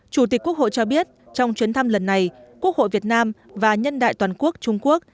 chủ tịch quốc hội cho biết trong chuyến thăm lần này quốc hội việt nam và nhân đại toàn quốc trung quốc